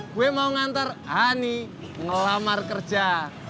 gue mau nganter ani ngelamar kerja